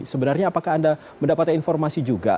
sebenarnya apakah anda mendapatkan informasi juga